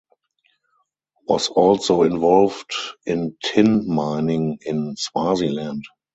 Was also involved in tin mining in Swaziland.